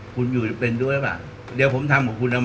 คุณอยู่เป็นรู้ไหมวะเดี๋ยวผมทำของคุณเอาไหม